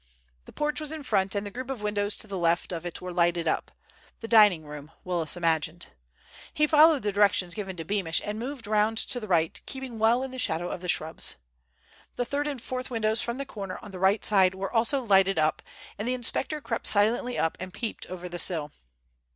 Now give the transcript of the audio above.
The porch was in front, and the group of windows to the left of it were lighted up—the dining room, Willis imagined. He followed the directions given to Beamish and moved round to the right, keeping well in the shadow of the shrubs. The third and fourth windows from the corner on the right side were also lighted up, and the inspector crept silently up and peeped over the sill.